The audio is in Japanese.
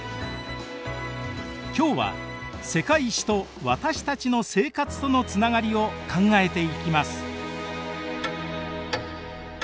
今日は「世界史」と私たちの生活とのつながりを考えていきます。